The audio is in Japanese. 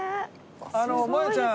あのもえちゃん！